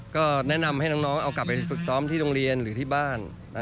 ก็แนะนำให้น้องเอากลับไปฝึกซ้อมที่โรงเรียนหรือที่บ้าน